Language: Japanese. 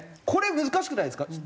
これ難しくないですか？